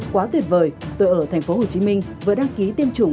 quá tuyệt vời tôi ở tp hcm vừa đăng ký tiêm chủng